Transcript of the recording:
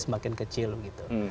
semakin kecil gitu